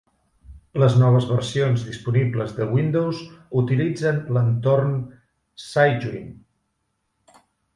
Les noves versions disponibles de Windows utilitzen l'entorn Cygwin.